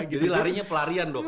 jadi larinya pelarian dok